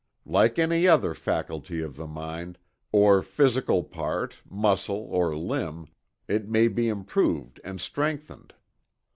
Like any other faculty of mind, or physical part, muscle or limb, it may be improved and strengthened.